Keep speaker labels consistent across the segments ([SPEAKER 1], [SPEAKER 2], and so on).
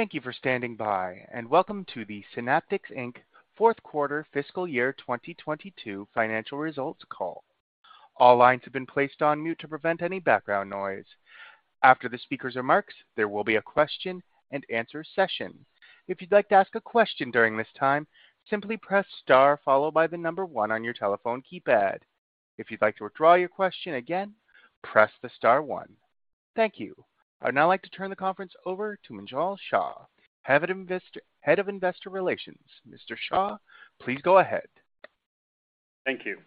[SPEAKER 1] Thank you for standing by, and welcome to the Synaptics Inc. fourth quarter fiscal year 2022 financial results call. All lines have been placed on mute to prevent any background noise. After the speaker's remarks, there will be a question and answer session. If you'd like to ask a question during this time, simply press star followed by the number one on your telephone keypad. If you'd like to withdraw your question, again, press the star one. Thank you. I would now like to turn the conference over to Munjal Shah, Head of Investor Relations. Mr. Shah, please go ahead.
[SPEAKER 2] Thank you.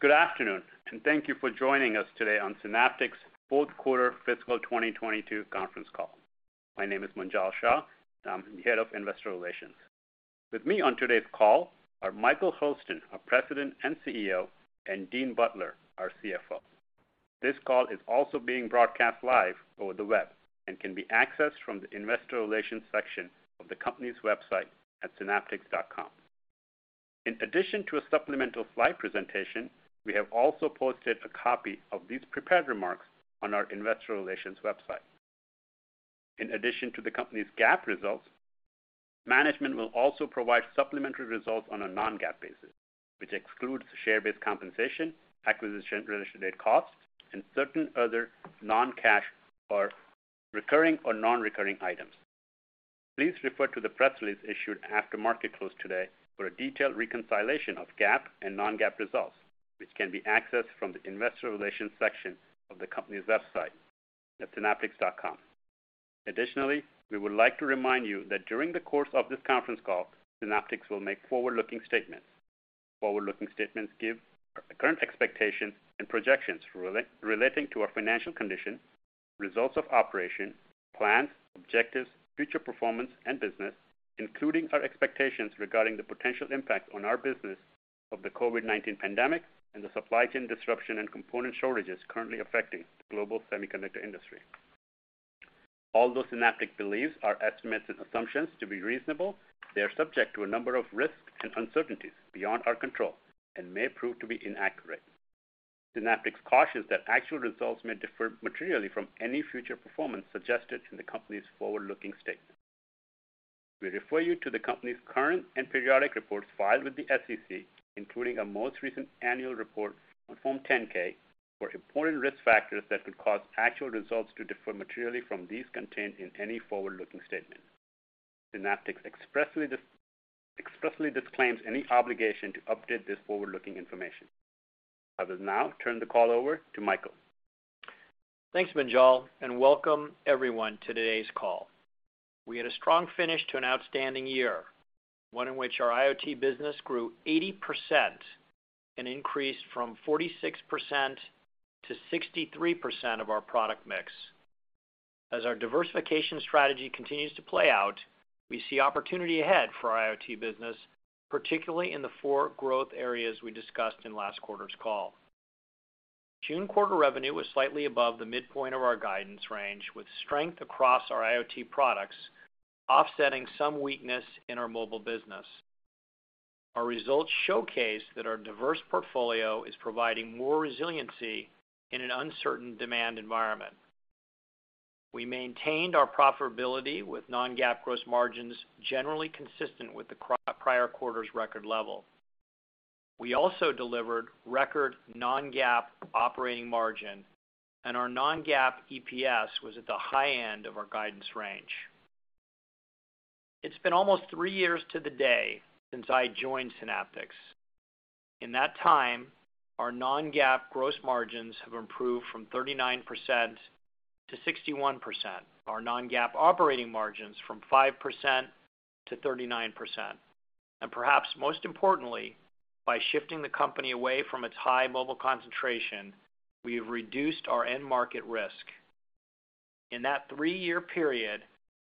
[SPEAKER 2] Good afternoon, and thank you for joining us today on Synaptics fourth quarter fiscal 2022 conference call. My name is Munjal Shah, and I'm Head of Investor Relations. With me on today's call are Michael Hurlston, our President and CEO, and Dean Butler, our CFO. This call is also being broadcast live over the web and can be accessed from the investor relations section of the company's website at synaptics.com. In addition to a supplemental slide presentation, we have also posted a copy of these prepared remarks on our investor relations website. In addition to the company's GAAP results, management will also provide supplementary results on a non-GAAP basis, which excludes share-based compensation, acquisition-related costs, and certain other non-cash or recurring or non-recurring items. Please refer to the press release issued after market close today for a detailed reconciliation of GAAP and non-GAAP results, which can be accessed from the investor relations section of the company's website at synaptics.com. Additionally, we would like to remind you that during the course of this conference call, Synaptics will make forward-looking statements. Forward-looking statements give our current expectations and projections relating to our financial condition, results of operations, plans, objectives, future performance, and business, including our expectations regarding the potential impact on our business of the COVID-19 pandemic and the supply chain disruption and component shortages currently affecting the global semiconductor industry. Although Synaptics believes our estimates and assumptions to be reasonable, they are subject to a number of risks and uncertainties beyond our control and may prove to be inaccurate. Synaptics cautions that actual results may differ materially from any future performance suggested in the company's forward-looking statement. We refer you to the company's current and periodic reports filed with the SEC, including our most recent annual report on Form 10-K, for important risk factors that could cause actual results to differ materially from these contained in any forward-looking statement. Synaptics expressly disclaims any obligation to update this forward-looking information. I will now turn the call over to Michael.
[SPEAKER 3] Thanks, Munjal, and welcome everyone to today's call. We had a strong finish to an outstanding year, one in which our IoT business grew 80%, an increase from 46% to 63% of our product mix. As our diversification strategy continues to play out, we see opportunity ahead for our IoT business, particularly in the four growth areas we discussed in last quarter's call. June quarter revenue was slightly above the midpoint of our guidance range, with strength across our IoT products offsetting some weakness in our mobile business. Our results showcase that our diverse portfolio is providing more resiliency in an uncertain demand environment. We maintained our profitability with non-GAAP gross margins, generally consistent with the prior quarter's record level. We also delivered record non-GAAP operating margin, and our non-GAAP EPS was at the high end of our guidance range. It's been almost three years to the day since I joined Synaptics. In that time, our non-GAAP gross margins have improved from 39% to 61%, our non-GAAP operating margins from 5% to 39%. Perhaps most importantly, by shifting the company away from its high mobile concentration, we have reduced our end market risk. In that three-year period,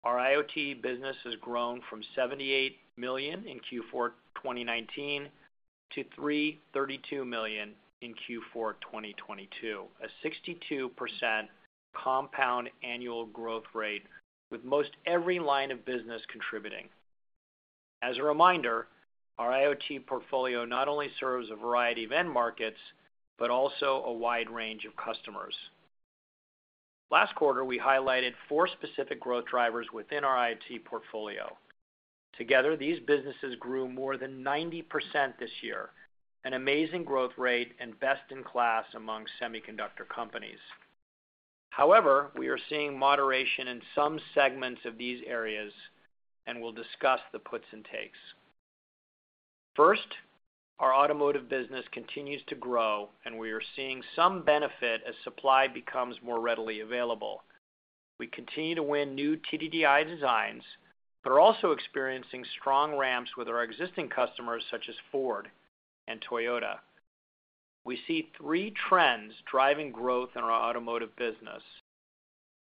[SPEAKER 3] our IoT business has grown from $78 million in Q4 2019 to $332 million in Q4 2022, a 62% compound annual growth rate with most every line of business contributing. As a reminder, our IoT portfolio not only serves a variety of end markets, but also a wide range of customers. Last quarter, we highlighted four specific growth drivers within our IoT portfolio. Together, these businesses grew more than 90% this year, an amazing growth rate and best in class among semiconductor companies. However, we are seeing moderation in some segments of these areas, and we'll discuss the puts and takes. First, our automotive business continues to grow, and we are seeing some benefit as supply becomes more readily available. We continue to win new TDDI designs, but are also experiencing strong ramps with our existing customers such as Ford and Toyota. We see three trends driving growth in our automotive business.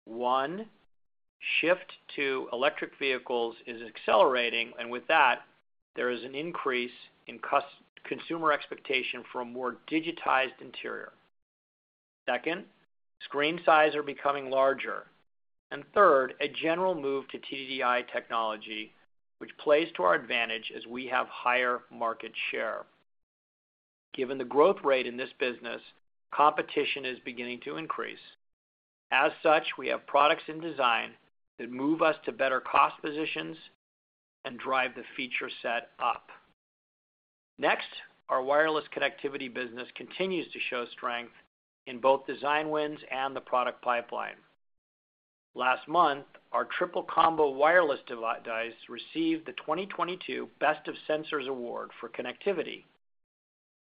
[SPEAKER 3] One, shift to electric vehicles is accelerating, and with that, there is an increase in consumer expectation for a more digitized interior. Second, screen sizes are becoming larger. Third, a general move to TDDI technology, which plays to our advantage as we have higher market share. Given the growth rate in this business, competition is beginning to increase. As such, we have products in design that move us to better cost positions and drive the feature set up. Next, our wireless connectivity business continues to show strength in both design wins and the product pipeline. Last month, our Triple Combo wireless device received the 2022 Best of Sensors award for connectivity.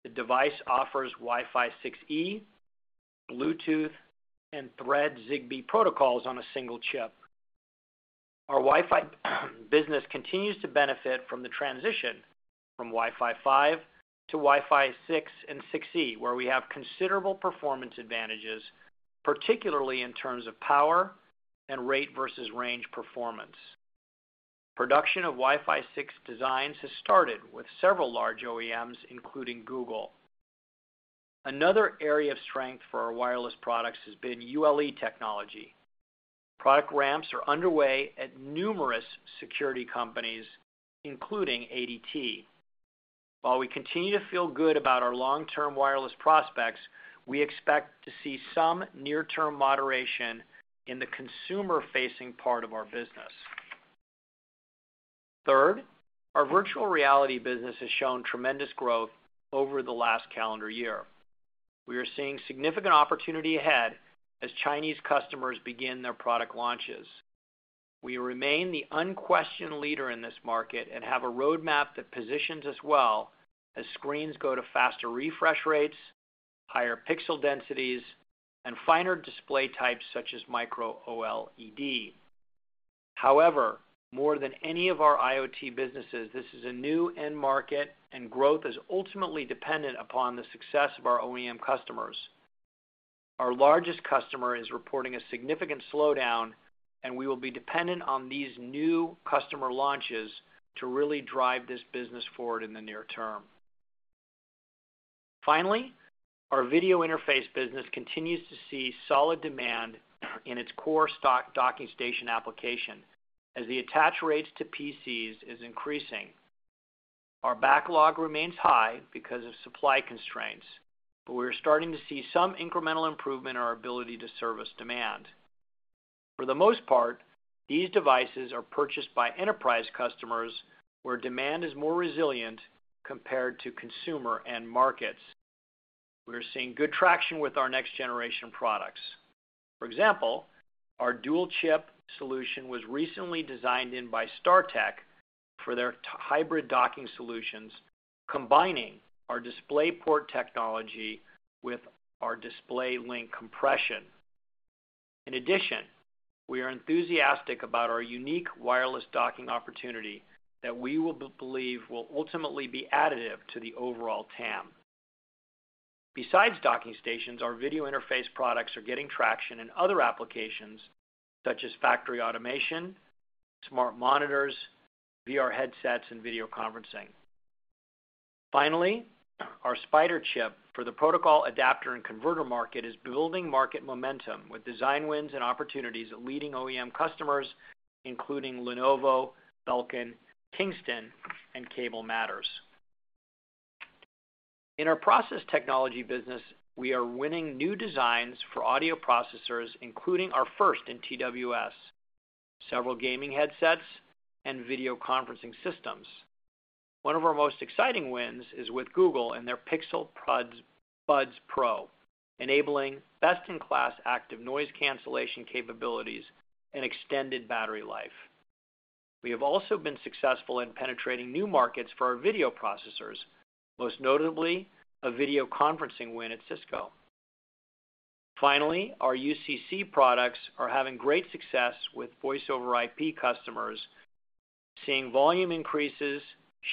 [SPEAKER 3] The device offers Wi-Fi 6E, Bluetooth, and Thread/Zigbee protocols on a single chip. Our Wi-Fi business continues to benefit from the transition from Wi-Fi 5 to Wi-Fi 6 and 6E, where we have considerable performance advantages, particularly in terms of power and rate versus range performance. Production of Wi-Fi 6 designs has started with several large OEMs, including Google. Another area of strength for our wireless products has been ULE technology. Product ramps are underway at numerous security companies, including ADT. While we continue to feel good about our long-term wireless prospects, we expect to see some near-term moderation in the consumer-facing part of our business. Third, our virtual reality business has shown tremendous growth over the last calendar year. We are seeing significant opportunity ahead as Chinese customers begin their product launches. We remain the unquestioned leader in this market and have a roadmap that positions us well as screens go to faster refresh rates, higher pixel densities, and finer display types such as micro OLED. However, more than any of our IoT businesses, this is a new end market, and growth is ultimately dependent upon the success of our OEM customers. Our largest customer is reporting a significant slowdown, and we will be dependent on these new customer launches to really drive this business forward in the near term. Finally, our video interface business continues to see solid demand in its core stock docking station application as the attach rates to PCs is increasing. Our backlog remains high because of supply constraints, but we're starting to see some incremental improvement in our ability to service demand. For the most part, these devices are purchased by enterprise customers, where demand is more resilient compared to consumer end markets. We are seeing good traction with our next-generation products. For example, our dual chip solution was recently designed in by StarTech for their hybrid docking solutions, combining our DisplayPort technology with our DisplayLink compression. In addition, we are enthusiastic about our unique wireless docking opportunity that we will believe will ultimately be additive to the overall TAM. Besides docking stations, our video interface products are getting traction in other applications, such as factory automation, smart monitors, VR headsets, and video conferencing. Finally, our Spider chip for the protocol adapter and converter market is building market momentum with design wins and opportunities at leading OEM customers, including Lenovo, Belkin, Kingston, and Cable Matters. In our process technology business, we are winning new designs for audio processors, including our first in TWS, several gaming headsets, and video conferencing systems. One of our most exciting wins is with Google and their Pixel Buds Pro, enabling best-in-class active noise cancellation capabilities and extended battery life. We have also been successful in penetrating new markets for our video processors, most notably a video conferencing win at Cisco. Finally, our UCC products are having great success with voice-over-IP customers, seeing volume increases,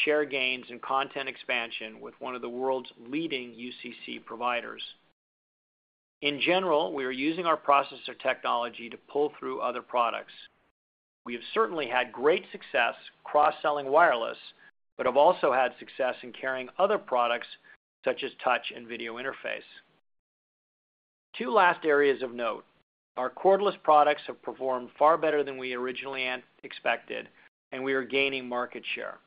[SPEAKER 3] share gains, and content expansion with one of the world's leading UCC providers. In general, we are using our processor technology to pull through other products. We have certainly had great success cross-selling wireless, but have also had success in carrying other products such as touch and video interface. Two last areas of note. Our cordless products have performed far better than we originally expected, and we are gaining market share.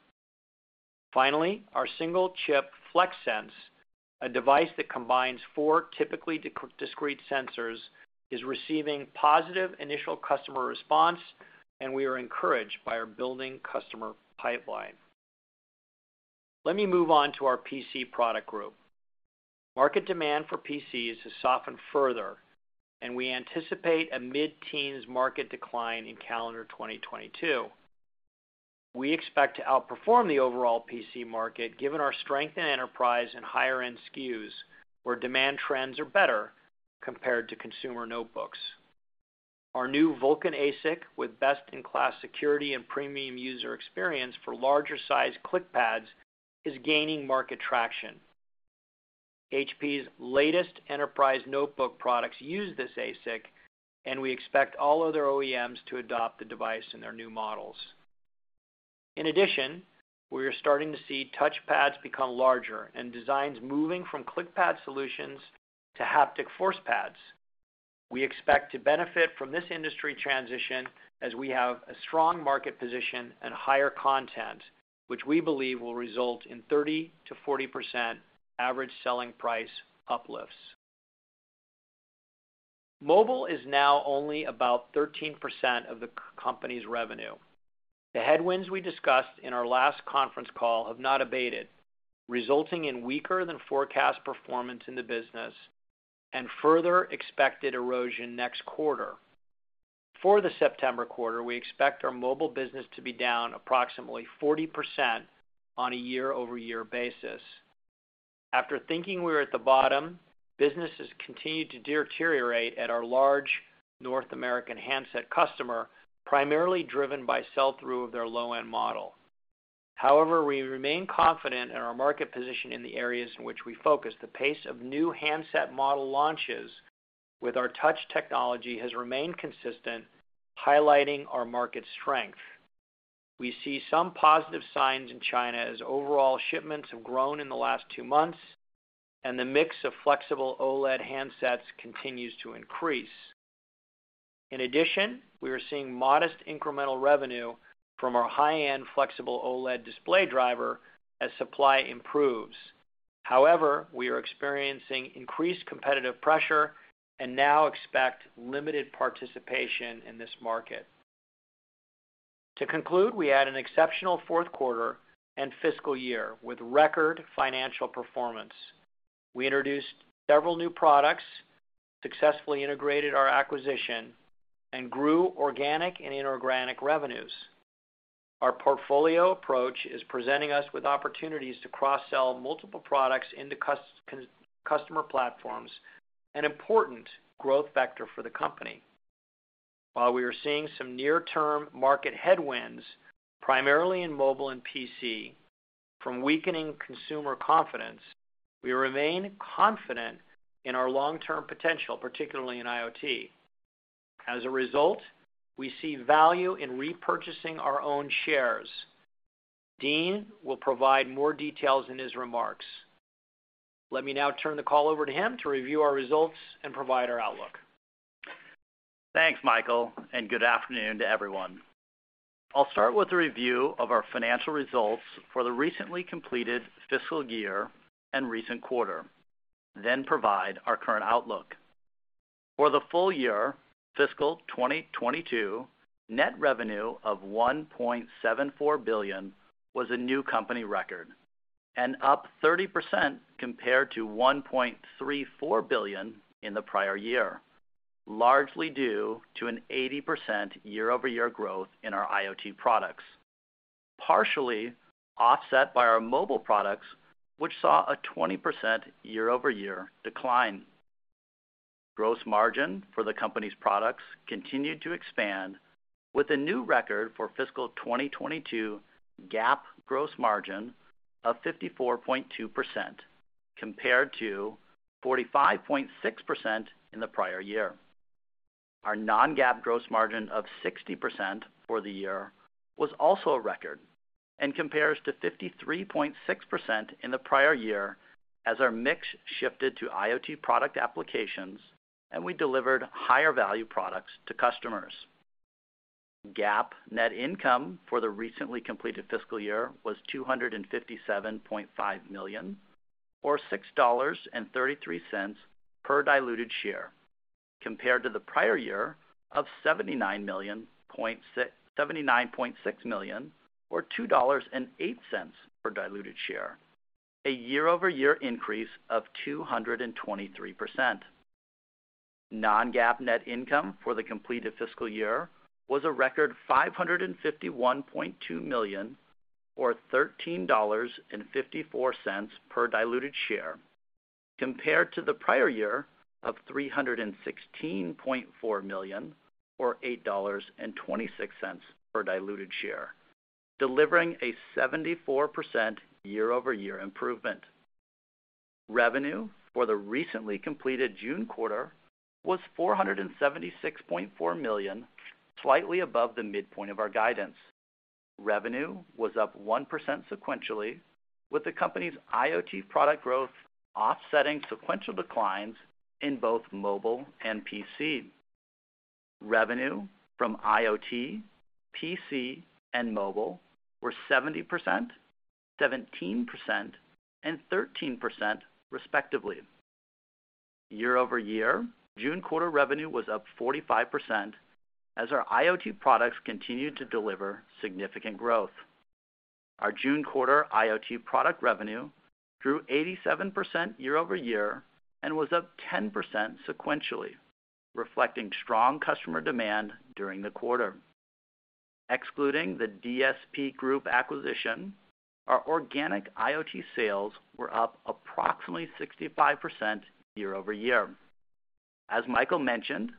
[SPEAKER 3] Finally, our single chip FlexSense, a device that combines four typically discrete sensors, is receiving positive initial customer response, and we are encouraged by our building customer pipeline. Let me move on to our PC product group. Market demand for PCs has softened further, and we anticipate a mid-teens market decline in calendar 2022. We expect to outperform the overall PC market given our strength in enterprise and higher-end SKUs, where demand trends are better compared to consumer notebooks. Our new Vulcan ASIC, with best-in-class security and premium user experience for larger-sized ClickPads, is gaining market traction. HP's latest enterprise notebook products use this ASIC, and we expect all other OEMs to adopt the device in their new models. In addition, we are starting to see touchpads become larger and designs moving from ClickPad solutions to haptic force pads. We expect to benefit from this industry transition as we have a strong market position and higher content, which we believe will result in 30%-40% average selling price uplifts. Mobile is now only about 13% of the company's revenue. The headwinds we discussed in our last conference call have not abated, resulting in weaker than forecast performance in the business and further expected erosion next quarter. For the September quarter, we expect our mobile business to be down approximately 40% on a year-over-year basis. After thinking we were at the bottom, businesses continued to deteriorate at our large North American handset customer, primarily driven by sell-through of their low-end model. However, we remain confident in our market position in the areas in which we focus. The pace of new handset model launches with our touch technology has remained consistent, highlighting our market strength. We see some positive signs in China as overall shipments have grown in the last two months, and the mix of flexible OLED handsets continues to increase. In addition, we are seeing modest incremental revenue from our high-end flexible OLED display driver as supply improves. However, we are experiencing increased competitive pressure and now expect limited participation in this market. To conclude, we had an exceptional fourth quarter and fiscal year with record financial performance. We introduced several new products, successfully integrated our acquisition, and grew organic and inorganic revenues. Our portfolio approach is presenting us with opportunities to cross-sell multiple products into customer platforms, an important growth vector for the company. While we are seeing some near-term market headwinds, primarily in mobile and PC from weakening consumer confidence, we remain confident in our long-term potential, particularly in IoT. As a result, we see value in repurchasing our own shares. Dean will provide more details in his remarks. Let me now turn the call over to him to review our results and provide our outlook.
[SPEAKER 4] Thanks, Michael, and good afternoon to everyone. I'll start with a review of our financial results for the recently completed fiscal year and recent quarter, then provide our current outlook. For the full year, fiscal 2022, net revenue of $1.74 billion was a new company record and up 30% compared to $1.34 billion in the prior year, largely due to an 80% year-over-year growth in our IoT products, partially offset by our mobile products, which saw a 20% year-over-year decline. Gross margin for the company's products continued to expand with a new record for fiscal 2022 GAAP gross margin of 54.2% compared to 45.6% in the prior year. Our non-GAAP gross margin of 60% for the year was also a record and compares to 53.6% in the prior year as our mix shifted to IoT product applications, and we delivered higher value products to customers. GAAP net income for the recently completed fiscal year was $257.5 million or $6.33 per diluted share, compared to the prior year of $79.6 million or $2.08 per diluted share, a year-over-year increase of 223%. Non-GAAP net income for the completed fiscal year was a record $551.2 million or $13.54 per diluted share, compared to the prior year of $316.4 million or $8.26 per diluted share, delivering a 74% year-over-year improvement. Revenue for the recently completed June quarter was $476.4 million, slightly above the midpoint of our guidance. Revenue was up 1% sequentially, with the company's IoT product growth offsetting sequential declines in both mobile and PC. Revenue from IoT, PC, and mobile were 70%, 17%, and 13% respectively. Year-over-year, June quarter revenue was up 45% as our IoT products continued to deliver significant growth. Our June quarter IoT product revenue grew 87% year-over-year and was up 10% sequentially, reflecting strong customer demand during the quarter. Excluding the DSP Group acquisition, our organic IoT sales were up approximately 65% year-over-year. As Michael mentioned,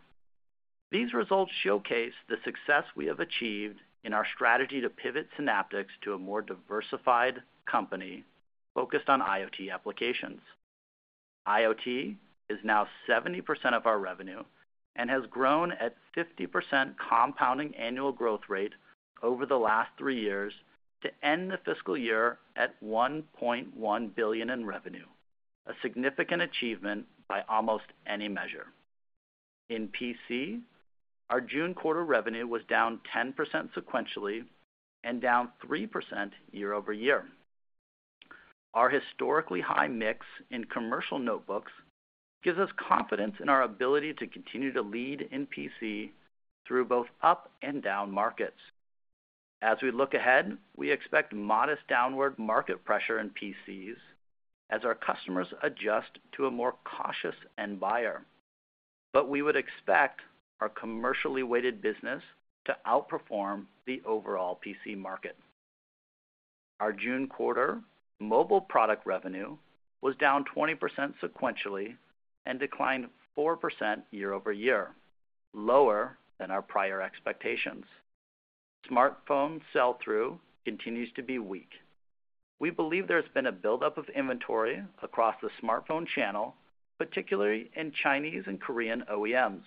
[SPEAKER 4] these results showcase the success we have achieved in our strategy to pivot Synaptics to a more diversified company focused on IoT applications. IoT is now 70% of our revenue and has grown at 50% compounding annual growth rate over the last three years to end the fiscal year at $1.1 billion in revenue. A significant achievement by almost any measure. In PC, our June quarter revenue was down 10% sequentially and down 3% year-over-year. Our historically high mix in commercial notebooks gives us confidence in our ability to continue to lead in PC through both up and down markets. As we look ahead, we expect modest downward market pressure in PCs as our customers adjust to a more cautious end buyer. We would expect our commercially weighted business to outperform the overall PC market. Our June quarter mobile product revenue was down 20% sequentially and declined 4% year-over-year, lower than our prior expectations. Smartphone sell-through continues to be weak. We believe there's been a buildup of inventory across the smartphone channel, particularly in Chinese and Korean OEMs,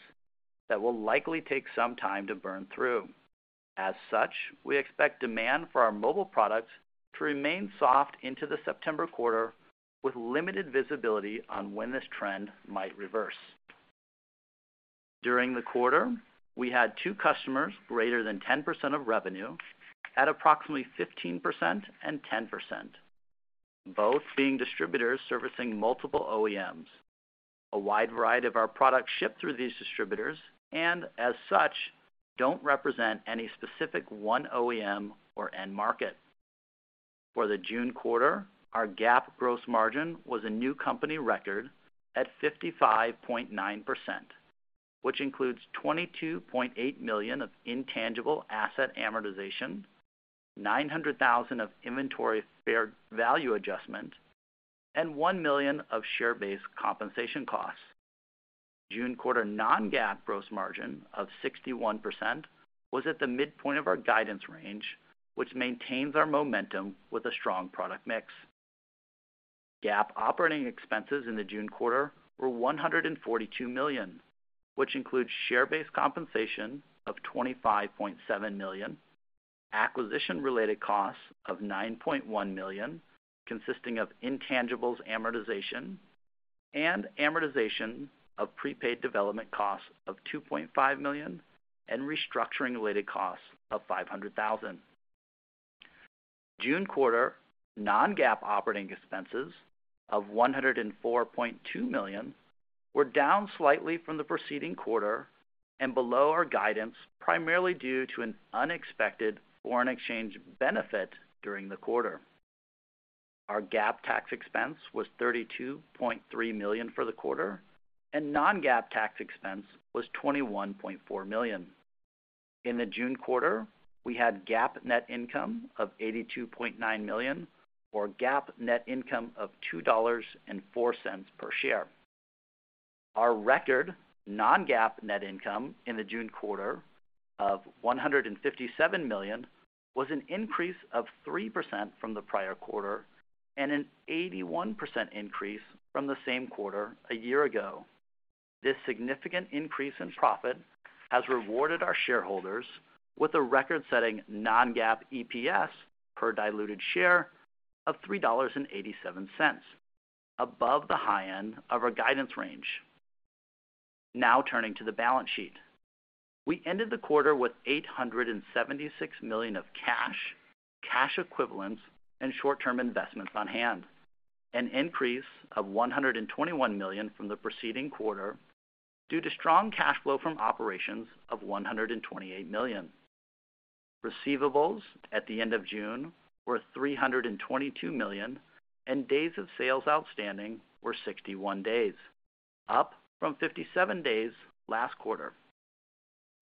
[SPEAKER 4] that will likely take some time to burn through. As such, we expect demand for our mobile products to remain soft into the September quarter with limited visibility on when this trend might reverse. During the quarter, we had two customers greater than 10% of revenue at approximately 15% and 10%, both being distributors servicing multiple OEMs. A wide variety of our products ship through these distributors and, as such, don't represent any specific one OEM or end market. For the June quarter, our GAAP gross margin was a new company record at 55.9%, which includes $22.8 million of intangible asset amortization, $900,000 of inventory fair value adjustment, and $1 million of share-based compensation costs. June quarter non-GAAP gross margin of 61% was at the midpoint of our guidance range, which maintains our momentum with a strong product mix. GAAP operating expenses in the June quarter were $142 million, which includes share-based compensation of $25.7 million, acquisition-related costs of $9.1 million consisting of intangibles amortization, and amortization of prepaid development costs of $2.5 million, and restructuring-related costs of $500,000. June quarter non-GAAP operating expenses of $104.2 million were down slightly from the preceding quarter and below our guidance, primarily due to an unexpected foreign exchange benefit during the quarter. Our GAAP tax expense was $32.3 million for the quarter, and non-GAAP tax expense was $21.4 million. In the June quarter, we had GAAP net income of $82.9 million, or GAAP net income of $2.04 per share. Our record non-GAAP net income in the June quarter of $157 million was an increase of 3% from the prior quarter and an 81% increase from the same quarter a year ago. This significant increase in profit has rewarded our shareholders with a record-setting non-GAAP EPS per diluted share of $3.87, above the high end of our guidance range. Now turning to the balance sheet. We ended the quarter with $876 million of cash equivalents, and short-term investments on hand, an increase of $121 million from the preceding quarter due to strong cash flow from operations of $128 million. Receivables at the end of June were $322 million, and days of sales outstanding were 61 days, up from 57 days last quarter.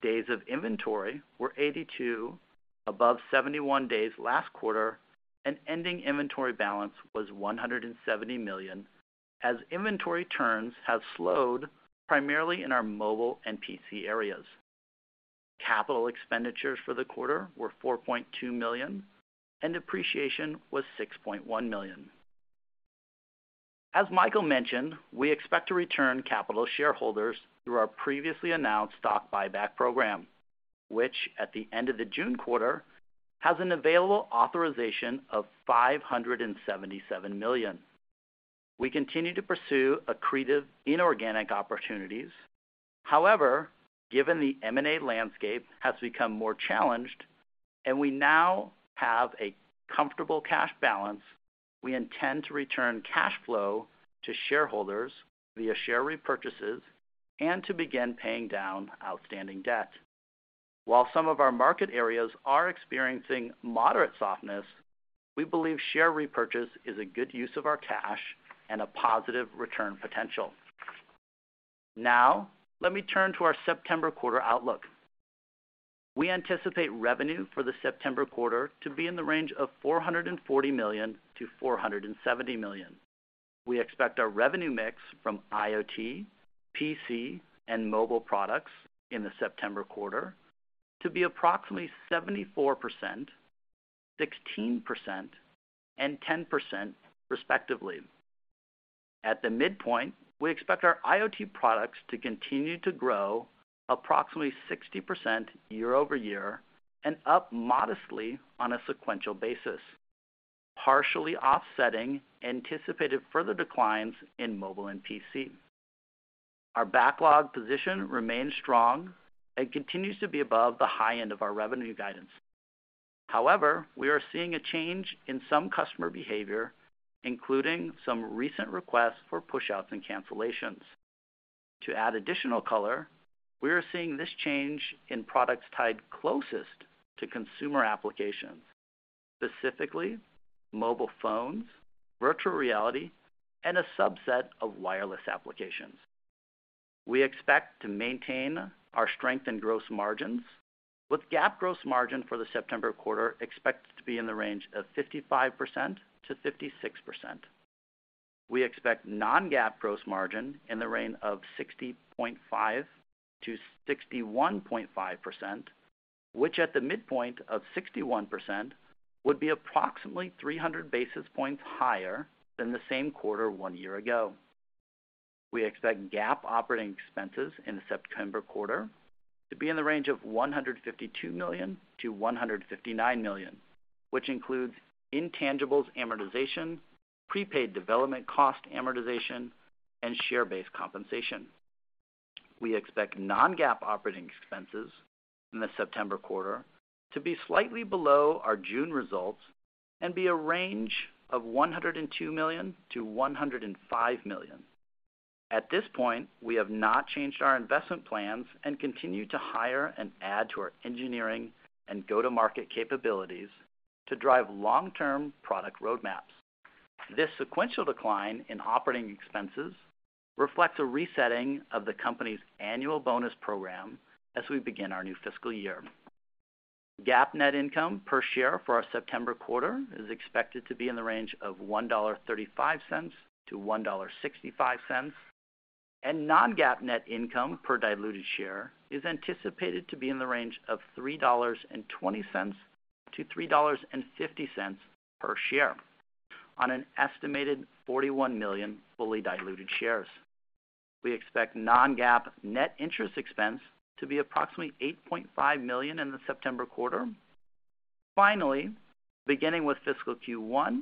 [SPEAKER 4] Days of inventory were 82, above 71 days last quarter, and ending inventory balance was $170 million, as inventory turns have slowed primarily in our mobile and PC areas. Capital expenditures for the quarter were $4.2 million, and depreciation was $6.1 million. As Michael mentioned, we expect to return capital to shareholders through our previously announced stock buyback program, which at the end of the June quarter has an available authorization of $577 million. We continue to pursue accretive inorganic opportunities. However, given the M&A landscape has become more challenged, and we now have a comfortable cash balance, we intend to return cash flow to shareholders via share repurchases and to begin paying down outstanding debt. While some of our market areas are experiencing moderate softness, we believe share repurchase is a good use of our cash and a positive return potential. Now, let me turn to our September quarter outlook. We anticipate revenue for the September quarter to be in the range of $440 million-$470 million. We expect our revenue mix from IoT, PC, and mobile products in the September quarter to be approximately 74%, 16%, and 10% respectively. At the midpoint, we expect our IoT products to continue to grow approximately 60% year-over-year and up modestly on a sequential basis, partially offsetting anticipated further declines in mobile and PC. Our backlog position remains strong and continues to be above the high end of our revenue guidance. However, we are seeing a change in some customer behavior, including some recent requests for pushouts and cancellations. To add additional color, we are seeing this change in products tied closest to consumer applications, specifically mobile phones, virtual reality, and a subset of wireless applications. We expect to maintain our strength in gross margins, with GAAP gross margin for the September quarter expected to be in the range of 55%-56%. We expect non-GAAP gross margin in the range of 60.5%-61.5%, which at the midpoint of 61% would be approximately 300 basis points higher than the same quarter one year ago. We expect GAAP operating expenses in the September quarter to be in the range of $152 million-$159 million, which includes intangibles amortization, prepaid development cost amortization, and share-based compensation. We expect non-GAAP operating expenses in the September quarter to be slightly below our June results and be a range of $102 million-$105 million. At this point, we have not changed our investment plans and continue to hire and add to our engineering and go-to-market capabilities to drive long-term product roadmaps. This sequential decline in operating expenses reflects a resetting of the company's annual bonus program as we begin our new fiscal year. GAAP net income per share for our September quarter is expected to be in the range of $1.35-$1.65, and non-GAAP net income per diluted share is anticipated to be in the range of $3.20-$3.50 per share on an estimated 41 million fully diluted shares. We expect non-GAAP net interest expense to be approximately $8.5 million in the September quarter. Finally, beginning with fiscal Q1,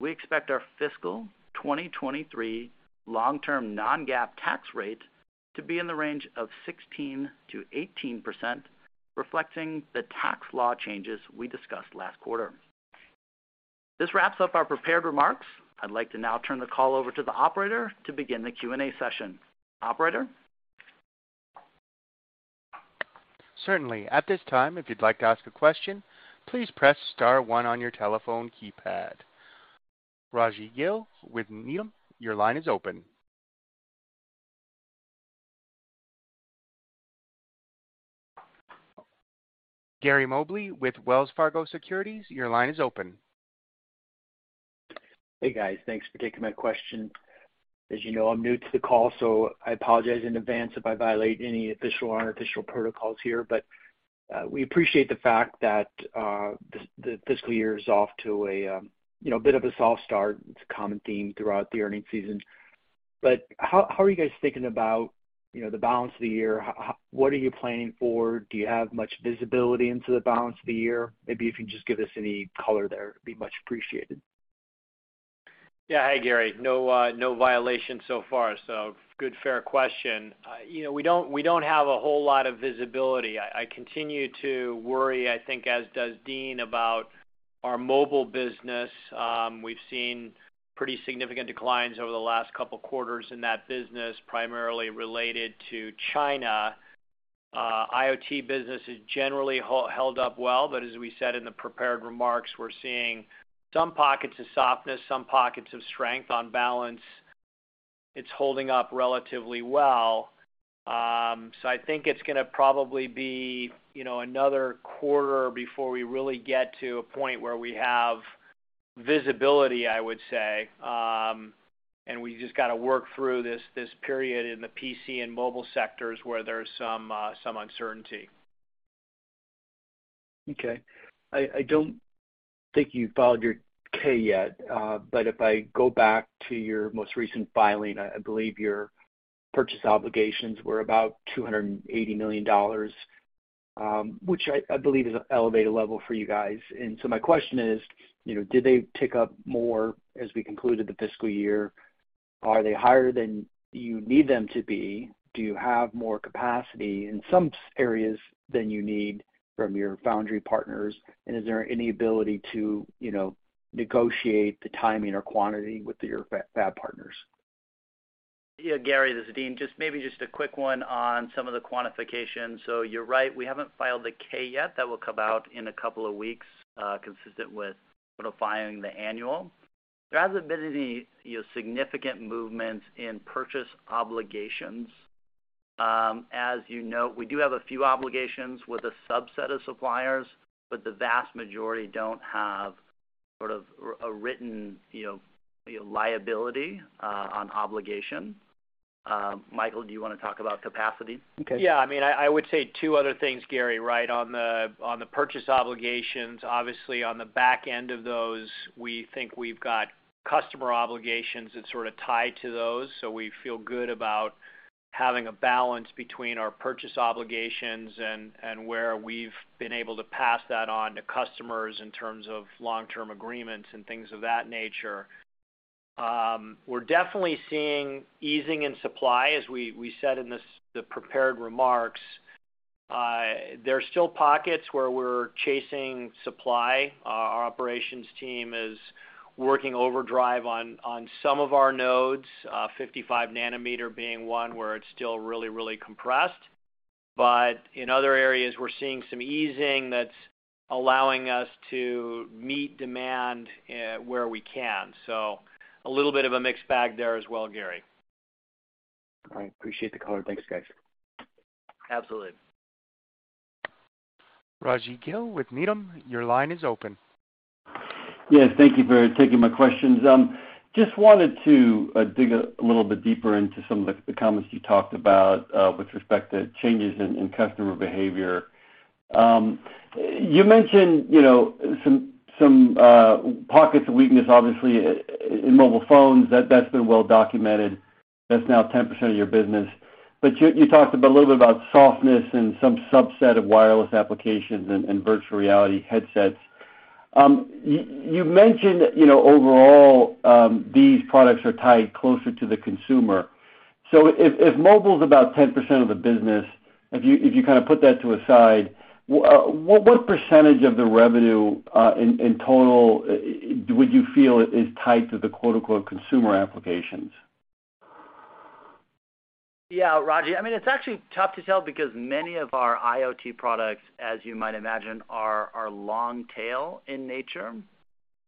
[SPEAKER 4] we expect our fiscal 2023 long-term non-GAAP tax rate to be in the range of 16%-18%, reflecting the tax law changes we discussed last quarter. This wraps up our prepared remarks. I'd like to now turn the call over to the operator to begin the Q&A session. Operator?
[SPEAKER 1] Certainly. At this time, if you'd like to ask a question, please press star one on your telephone keypad. Rajvindra Gill with Needham, your line is open. Gary Mobley with Wells Fargo Securities, your line is open.
[SPEAKER 5] Hey, guys. Thanks for taking my question. As you know, I'm new to the call, so I apologize in advance if I violate any official or unofficial protocols here. We appreciate the fact that the fiscal year is off to a you know bit of a soft start. It's a common theme throughout the earnings season. How are you guys thinking about you know the balance of the year? What are you planning for? Do you have much visibility into the balance of the year? Maybe if you can just give us any color there, it'd be much appreciated.
[SPEAKER 4] Yeah. Hi, Gary. No violation so far, so good fair question. You know, we don't have a whole lot of visibility. I continue to worry, I think as does Dean, about our mobile business. We've seen pretty significant declines over the last couple quarters in that business, primarily related to China. IoT business has generally held up well, but as we said in the prepared remarks, we're seeing some pockets of softness, some pockets of strength. On balance, it's holding up relatively well. I think it's gonna probably be, you know, another quarter before we really get to a point where we have visibility, I would say. We just gotta work through this period in the PC and mobile sectors where there's some uncertainty.
[SPEAKER 5] Okay. I don't think you've filed your Form 10-K yet, but if I go back to your most recent filing, I believe your purchase obligations were about $280 million, which I believe is an elevated level for you guys. My question is, you know, did they tick up more as we concluded the fiscal year? Are they higher than you need them to be? Do you have more capacity in some areas than you need from your foundry partners? Is there any ability to, you know, negotiate the timing or quantity with your fab partners?
[SPEAKER 4] Gary, this is Dean. Just maybe a quick one on some of the quantification. You're right, we haven't filed the K yet. That will come out in a couple of weeks, consistent with notifying the annual. There hasn't been any, you know, significant movements in purchase obligations. As you know, we do have a few obligations with a subset of suppliers, but the vast majority don't have sort of a written, you know, liability or obligation. Michael, do you wanna talk about capacity?
[SPEAKER 5] Okay.
[SPEAKER 4] Yeah. I mean, I would say two other things, Gary, right on the purchase obligations. Obviously, on the back end of those, we think we've got customer obligations that sort of tie to those, so we feel good about having a balance between our purchase obligations and where we've been able to pass that on to customers in terms of long-term agreements and things of that nature.
[SPEAKER 3] We're definitely seeing easing in supply, as we said in the prepared remarks. There are still pockets where we're chasing supply. Our operations team is working overdrive on some of our nodes, 55-nm being one where it's still really compressed. In other areas, we're seeing some easing that's allowing us to meet demand, where we can. A little bit of a mixed bag there as well, Gary.
[SPEAKER 5] All right. Appreciate the color. Thanks, guys.
[SPEAKER 3] Absolutely.
[SPEAKER 1] Rajvindra Gill with Needham, your line is open.
[SPEAKER 6] Yes, thank you for taking my questions. Just wanted to dig a little bit deeper into some of the comments you talked about with respect to changes in customer behavior. You mentioned, you know, some pockets of weakness, obviously in mobile phones. That's been well documented. That's now 10% of your business. You talked a little bit about softness in some subset of wireless applications and virtual reality headsets. You've mentioned, you know, overall, these products are tied closer to the consumer. If mobile's about 10% of the business, if you kind of put that to a side, what percentage of the revenue in total would you feel is tied to the quote, unquote, "consumer applications"?
[SPEAKER 3] Yeah, Rajvi. I mean, it's actually tough to tell because many of our IoT products, as you might imagine, are long tail in nature.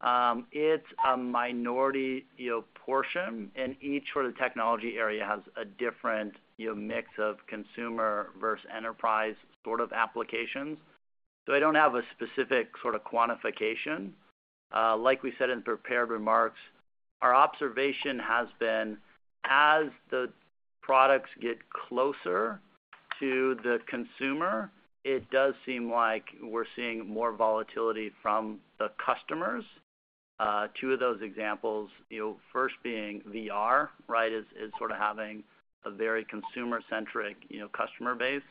[SPEAKER 3] It's a minority, you know, portion, and each sort of technology area has a different, you know, mix of consumer versus enterprise sort of applications. I don't have a specific sort of quantification. Like we said in prepared remarks, our observation has been, as the products get closer to the consumer, it does seem like we're seeing more volatility from the customers. Two of those examples, you know, first being VR, right, is sort of having a very consumer-centric, you know, customer base.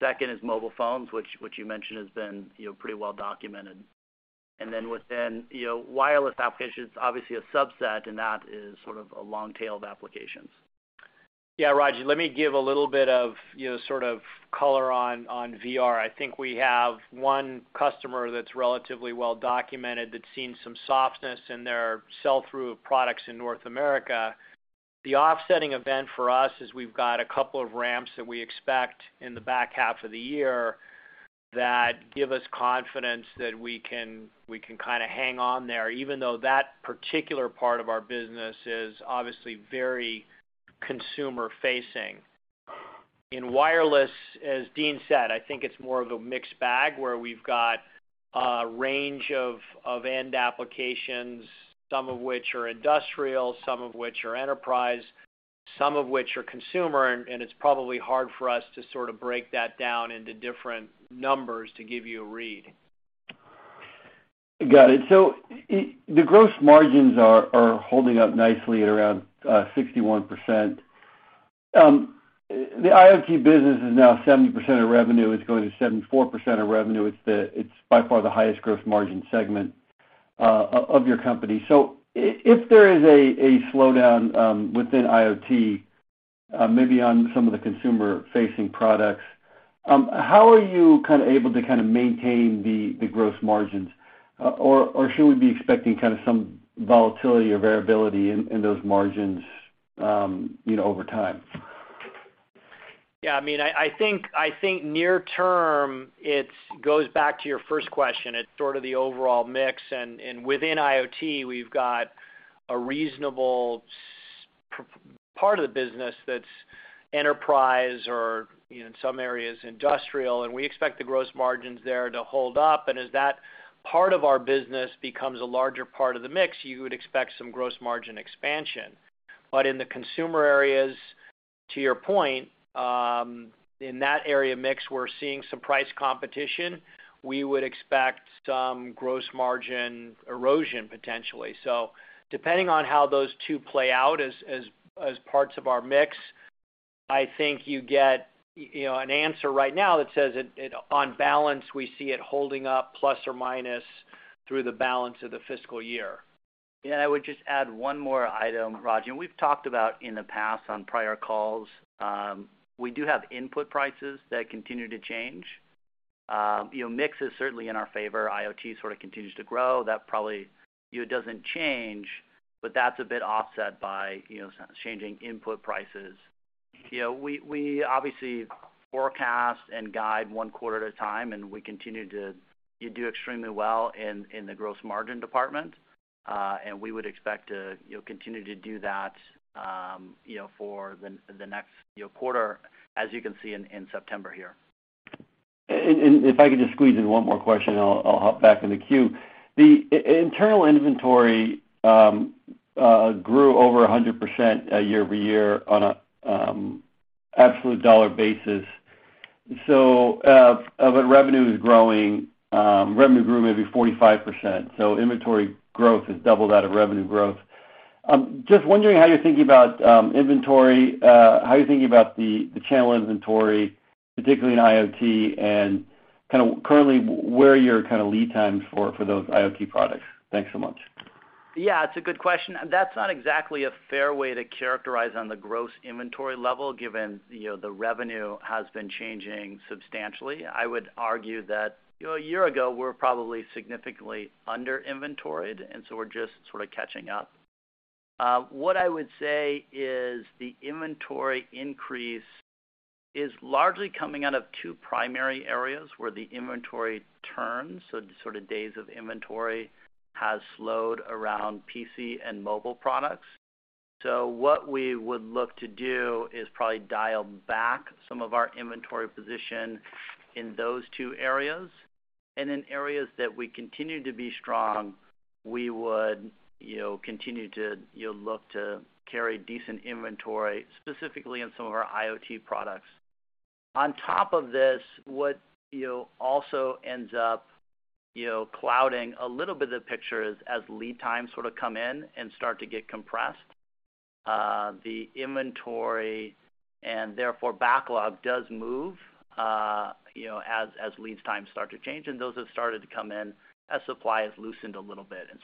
[SPEAKER 3] Second is mobile phones, which you mentioned has been, you know, pretty well documented. Within, you know, wireless applications, obviously a subset, and that is sort of a long tail of applications. Yeah, Rajvi, let me give a little bit of, you know, sort of color on VR. I think we have one customer that's relatively well documented that's seen some softness in their sell-through of products in North America. The offsetting event for us is we've got a couple of ramps that we expect in the back half of the year that give us confidence that we can kind of hang on there, even though that particular part of our business is obviously very consumer-facing. In wireless, as Dean said, I think it's more of a mixed bag, where we've got a range of end applications, some of which are industrial, some of which are enterprise, some of which are consumer, and it's probably hard for us to sort of break that down into different numbers to give you a read.
[SPEAKER 6] Got it. The gross margins are holding up nicely at around 61%. The IoT business is now 70% of revenue. It's going to 74% of revenue. It's by far the highest gross margin segment of your company. If there is a slowdown within IoT, maybe on some of the consumer-facing products, how are you able to maintain the gross margins? Or should we be expecting some volatility or variability in those margins, you know, over time?
[SPEAKER 3] Yeah, I mean, I think near term, it goes back to your first question. It's sort of the overall mix. Within IoT, we've got a reasonable part of the business that's enterprise or, you know, in some areas, industrial, and we expect the gross margins there to hold up. As that part of our business becomes a larger part of the mix, you would expect some gross margin expansion. In the consumer areas, to your point, in that area mix, we're seeing some price competition. We would expect some gross margin erosion potentially. Depending on how those two play out as parts of our mix, I think you get, you know, an answer right now that says it on balance, we see it holding up ± through the balance of the fiscal year. Yeah, I would just add one more item, Rajvi. We've talked about in the past on prior calls, we do have input prices that continue to change. You know, mix is certainly in our favor. IoT sort of continues to grow. That probably, you know, doesn't change, but that's a bit offset by, you know, changing input prices. You know, we obviously forecast and guide one quarter at a time, and we continue to do extremely well in the gross margin department. We would expect to, you know, continue to do that, you know, for the next quarter, as you can see in September here.
[SPEAKER 6] If I could just squeeze in one more question, I'll hop back in the queue. The internal inventory grew over 100% year-over-year on an absolute dollar basis. Revenue is growing. Revenue grew maybe 45%, so inventory growth has doubled out of revenue growth. Just wondering how you're thinking about inventory, how you're thinking about the channel inventory, particularly in IoT and
[SPEAKER 3] Kind of, currently, what are your kind of lead times for those IoT products? Thanks so much.
[SPEAKER 4] Yeah, it's a good question. That's not exactly a fair way to characterize on the gross inventory level given, you know, the revenue has been changing substantially. I would argue that, you know, a year ago we were probably significantly under inventoried, and so we're just sort of catching up. What I would say is the inventory increase is largely coming out of two primary areas where the inventory turns, so sort of days of inventory has slowed around PC and mobile products. What we would look to do is probably dial back some of our inventory position in those two areas, and in areas that we continue to be strong, we would, you know, continue to, you know, look to carry decent inventory, specifically in some of our IoT products. On top of this, you know, also ends up, you know, clouding a little bit of the picture is as lead times sort of come in and start to get compressed, the inventory and therefore backlog does move, you know, as lead times start to change, and those have started to come in as supply has loosened a little bit in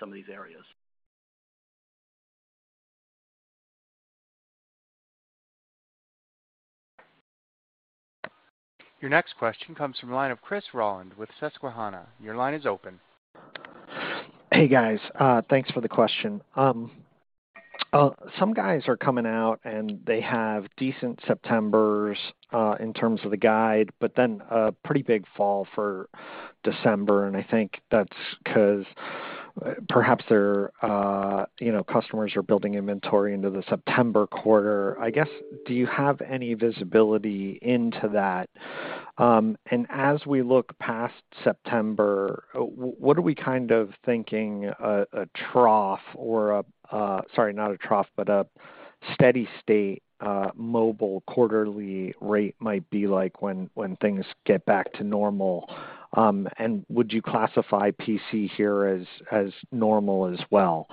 [SPEAKER 4] some of these areas.
[SPEAKER 1] Your next question comes from the line of Chris Rolland with Susquehanna. Your line is open.
[SPEAKER 7] Hey, guys. Thanks for the question. Some guys are coming out, and they have decent Septembers in terms of the guide, but then a pretty big fall for December, and I think that's 'cause perhaps their you know, customers are building inventory into the September quarter. I guess, do you have any visibility into that? And as we look past September, what are we kind of thinking a steady-state mobile quarterly rate might be like when things get back to normal, and would you classify PC here as normal as well?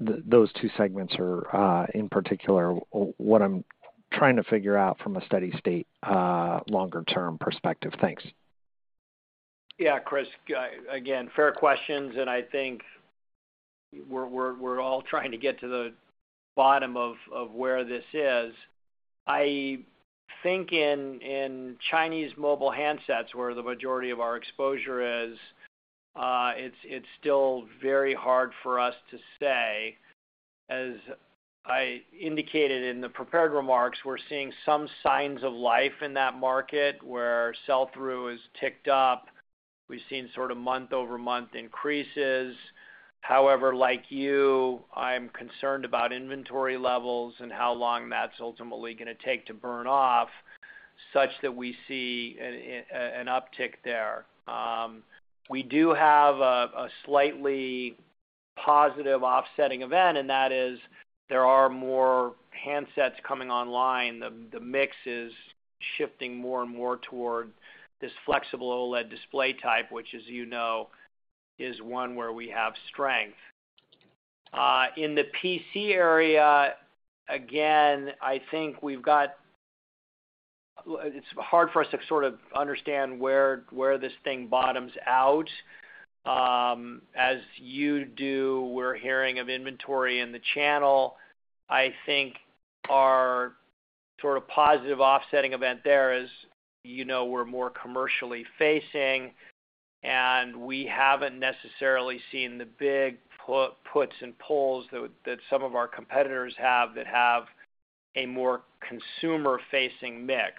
[SPEAKER 7] Those two segments are in particular what I'm trying to figure out from a steady state longer term perspective. Thanks.
[SPEAKER 3] Yeah. Chris, again, fair questions, and I think we're all trying to get to the bottom of where this is. I think in Chinese mobile handsets where the majority of our exposure is, it's still very hard for us to say. As I indicated in the prepared remarks, we're seeing some signs of life in that market where sell-through has ticked up. We've seen sort of month-over-month increases. However, like you, I'm concerned about inventory levels and how long that's ultimately gonna take to burn off such that we see an uptick there. We do have a slightly positive offsetting event, and that is there are more handsets coming online. The mix is shifting more and more toward this flexible OLED display type, which as you know, is one where we have strength. In the PC area, again, I think we've got it. It's hard for us to sort of understand where this thing bottoms out. As you do, we're hearing of inventory in the channel. I think our sort of positive offsetting event there is, you know, we're more commercially facing, and we haven't necessarily seen the big puts and pulls that some of our competitors have that have a more consumer-facing mix.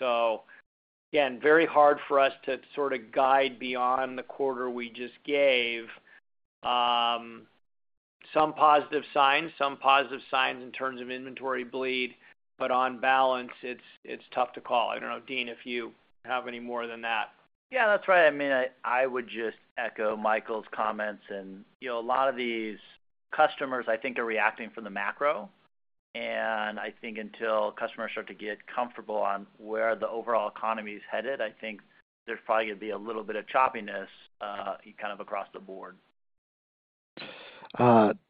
[SPEAKER 3] Again, very hard for us to sort of guide beyond the quarter we just gave. Some positive signs in terms of inventory bleed, but on balance it's tough to call. I don't know, Dean, if you have any more than that.
[SPEAKER 4] Yeah, that's right. I mean, I would just echo Michael's comments and, you know, a lot of these customers I think are reacting from the macro, and I think until customers start to get comfortable on where the overall economy is headed, I think there's probably gonna be a little bit of choppiness, kind of across the board.